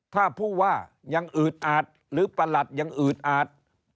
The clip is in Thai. ถ้าผู้ว่ายังอืดอาดหรือประหลัดยังอืดอาด